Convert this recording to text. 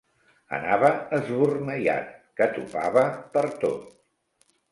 Anava esborneiat, que topava pertot.